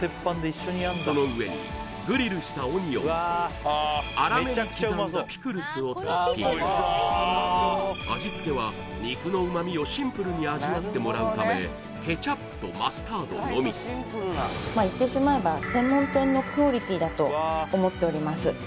その上にグリルしたオニオンと粗めに刻んだピクルスをトッピング味付けは肉の旨味をシンプルに味わってもらうためケチャップとマスタードのみ言ってしまえば専門店のクオリティだと思っております